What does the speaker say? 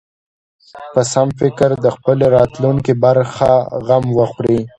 په سم فکر د خپلې راتلونکې برخه غم وخوري.